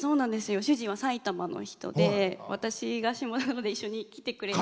主人は埼玉の人で私と下田まで一緒に来てくれて。